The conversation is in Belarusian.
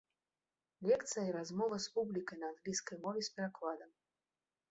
Лекцыя і размова з публікай на англійскай мове з перакладам.